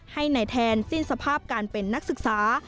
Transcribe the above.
ให้นายแทนสิ้นสภาพการเป็นนักศึกษา